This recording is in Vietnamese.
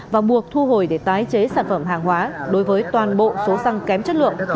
và buộc thu hồi để tái chế sản phẩm hàng hóa đối với toàn bộ số xăng kém chất lượng